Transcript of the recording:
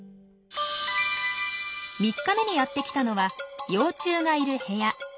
３日目にやってきたのは幼虫がいる部屋。